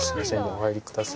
お入りください